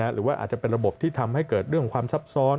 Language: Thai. หรือว่าอาจจะเป็นระบบที่ทำให้เกิดเรื่องของความซับซ้อน